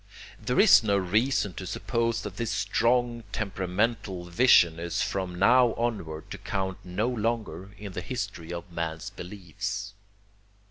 There is no reason to suppose that this strong temperamental vision is from now onward to count no longer in the history of man's beliefs.